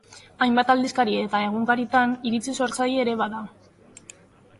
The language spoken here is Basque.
Hainbat aldizkari eta egunkaritan iritzi sortzaile ere bada.